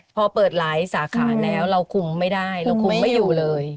พอเปิดหลายสาขาแล้วเราคุมไม่ได้เราคุมไม่อยู่เลย